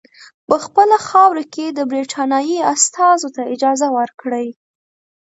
په خپله خاوره کې د برټانیې استازو ته اجازه ورکړي.